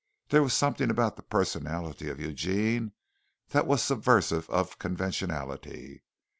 There was something about the personality of Eugene that was subversive of conventionality.